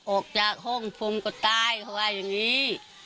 ออกจากห้องผมก็ตายเขาว่าอย่างนี้